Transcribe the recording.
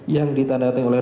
yang ditandatang oleh